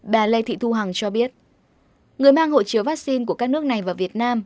bà lê thị thu hằng cho biết người mang hộ chiếu vaccine của các nước này vào việt nam